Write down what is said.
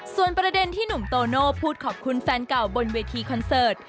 ส่วนประเด็นที่หนุ่มโตโน่พูดขอบคุณแฟนเก่าบนเวทีคอนเสิร์ต